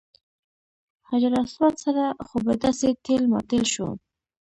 حجر اسود سره خو به داسې ټېل ماټېل شو.